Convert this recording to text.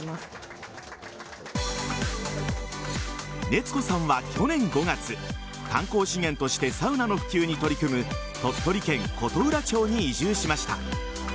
熱子さんは去年５月観光資源としてサウナの普及に取り組む鳥取県琴浦町に移住しました。